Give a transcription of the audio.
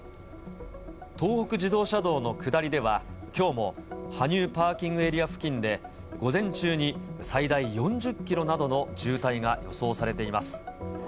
東北自動車道の下りでは、きょうも羽生パーキングエリア付近で午前中に最大４０キロなどの渋滞が予想されています。